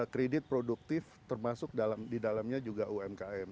kredit produktif termasuk di dalamnya juga umkm